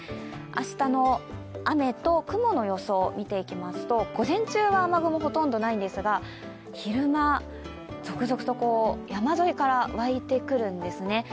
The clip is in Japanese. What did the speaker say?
明日の雨と雲の予想見ていきますと午前中は雨雲はほとんどないんですが、昼間、続々と山沿いから湧いてくるんですね。